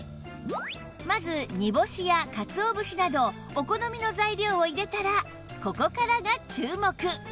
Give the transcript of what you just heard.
まず煮干しやかつお節などお好みの材料を入れたらここからが注目！